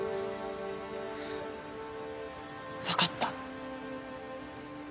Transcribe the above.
わかった。